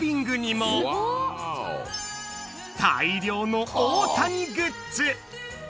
大量の大谷グッズ